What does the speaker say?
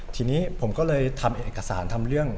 ทีนี้ผมก็เลยทำเอกสารทำเรื่อง